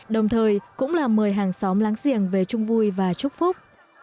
đồng thời cũng là mời hàng xóm láng giềng về chung vui và chúc phúc